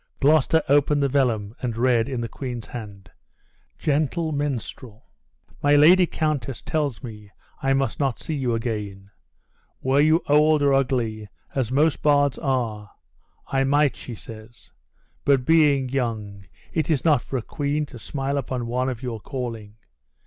Gloucester opened the vellum, and read, in the queen's hand: "Gentle minstrel! my lady countess tells me I must not see you again. Were you old or ugly, as most bards are, I might, she says; but being young, it is not for a queen to smile upon one of your calling.